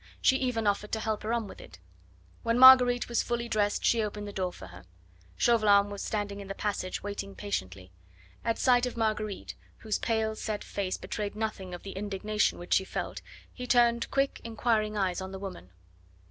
She even offered to help her on with it. When Marguerite was fully dressed she opened the door for her. Chauvelin was standing in the passage waiting patiently. At sight of Marguerite, whose pale, set face betrayed nothing of the indignation which she felt, he turned quick, inquiring eyes on the woman.